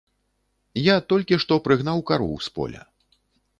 Я толькі што прыгнаў кароў з поля.